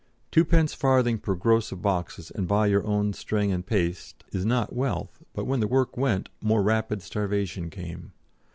Twopence farthing per gross of boxes, and buy your own string and paste, is not wealth, but when the work went more rapid starvation came.